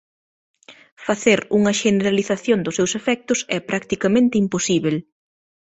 Facer unha xeneralización dos seus efectos é practicamente imposíbel.